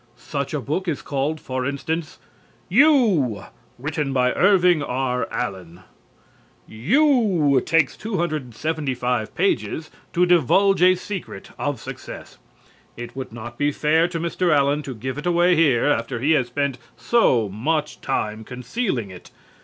Such a book is called, for instance "You," written by Irving R. Allen. "You" takes 275 pages to divulge a secret of success. It would not be fair to Mr. Allen to give it away here after he has spent so much time concealing it.